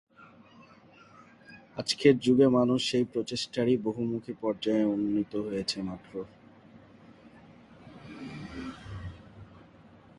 আজকের যুগে মানুষ সেই প্রচেষ্টারই বহুমুখী পর্যায়ে উন্নীত হয়েছে মাত্র।